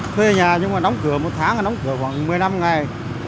thuê nhà nhưng mà đóng cửa một tháng đóng cửa khoảng một mươi năm ngày